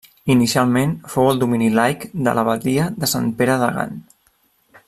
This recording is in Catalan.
Inicialment fou el domini laic de l'abadia de Sant Pere de Gant.